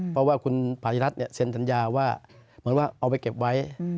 เพราะว่าคุณผ่านฝีรัชเนี่ยเซนตัญาว่าเอาไว้เก็บไว้